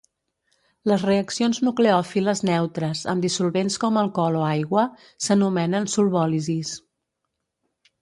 Les reaccions nucleòfiles neutres amb dissolvents com alcohol o aigua, s'anomenen solvòlisis.